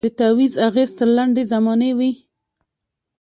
د تعویذ اغېز تر لنډي زمانې وي